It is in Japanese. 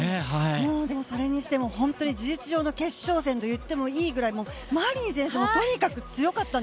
でも、それにしても本当に事実上の決勝戦といってもいいぐらいマリン選手もとにかく強かった。